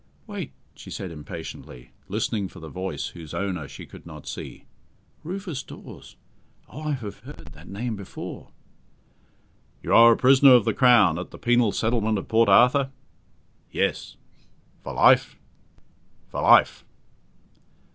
"Wait," she said impatiently, listening for the voice whose owner she could not see. "Rufus Dawes! Oh, I have heard that name before!" "You are a prisoner of the Crown at the penal settlement of Port Arthur?" "Yes." "For life?" "For life."